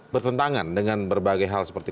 bertentangan dengan berbagai hal seperti